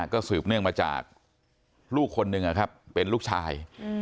ก็สืบเนื่องมาจากลูกคนหนึ่งเป็นลูกชาย